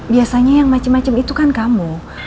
biasanya yang macem macem itu kan kamu